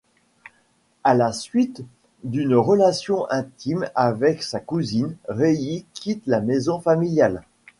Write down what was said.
À la suite d'une relation intime avec sa cousine, Reilly quitte la maison familiale.